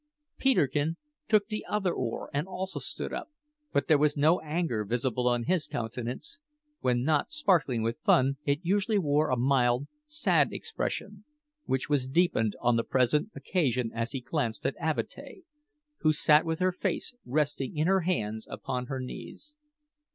Peterkin took the other oar and also stood up, but there was no anger visible on his countenance: when not sparkling with fun, it usually wore a mild, sad expression, which was deepened on the present occasion as he glanced at Avatea, who sat with her face resting in her hands upon her knees.